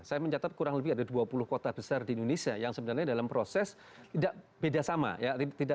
saya mencatat kurang lebih ada dua puluh kota besar di indonesia yang sebenarnya dalam proses tidak beda sama ya